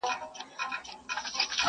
چي قاضي وي چي دا گيند او دا ميدان وي؛